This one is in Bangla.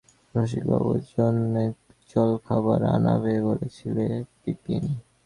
রসিকবাবুর জন্যে জলখাবার আনাবে বলেছিলে– বিপিন।